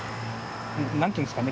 何て言うんですかね